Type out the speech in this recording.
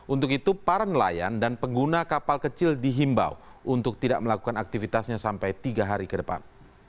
untuk itu para nelayan dan pengguna kapal kecil dihimbau untuk tidak melakukan aktivitasnya sampai tiga hari ke depan